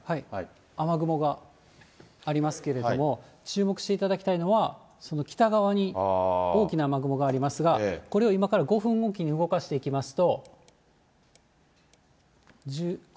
雨雲がありますけれども、注目していただきたいのは、その北側に、大きな雨雲がありますが、これを今から５分置きに動かしていきますと。